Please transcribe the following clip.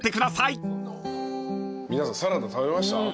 皆さんサラダ食べました？